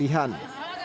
tidak ada kelebihan